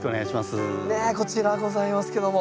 ねえこちらございますけども。